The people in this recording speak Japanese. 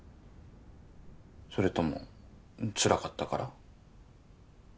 それともつらかったから？